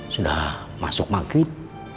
sudah masuk maghrib